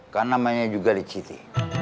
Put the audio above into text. kan namanya juga leciti